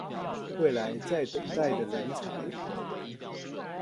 未來在等待的人才